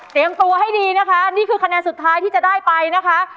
ตัวให้ดีนะคะนี่คือคะแนนสุดท้ายที่จะได้ไปนะคะ